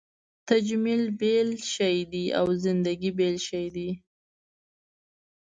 تجمل بېل شی دی او زندګي بېل شی دی.